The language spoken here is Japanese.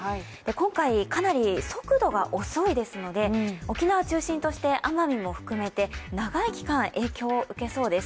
今回、かなり速度が遅いですので沖縄中心として奄美も含めて長い期間、影響を受けそうです。